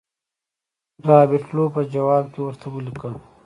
رابرټ لو په ځواب کې ورته ولیکل.